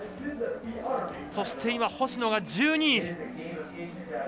そして星野が１２位。